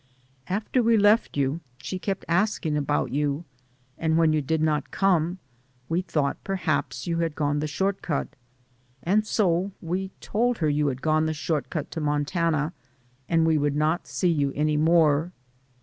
"After we left you she kept asking about you, and when you did not come, we thought perhaps you had gone the short cut, and so we told her you had gone the short cut to Montana, and we would not see you any more.